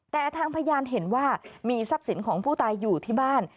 แต่ทางพยานเห็นว่ามีทรัพย์สินของผู้ตายอยู่ที่บ้าน